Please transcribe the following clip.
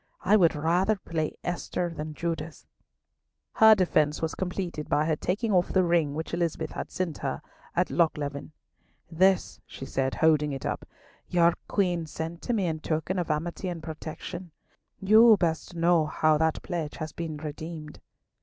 I would rather play Esther than Judith." Her defence was completed by her taking off the ring which Elizabeth had sent to her at Lochleven. "This," she said, holding it up, "your Queen sent to me in token of amity and protection. You best know how that pledge has been redeemed."